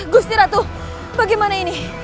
gusti ratu bagaimana ini